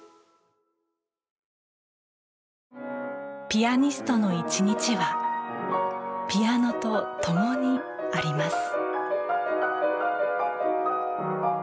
ピアニストの１日はピアノと共にあります。